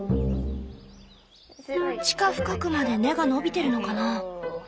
地下深くまで根が伸びてるのかな？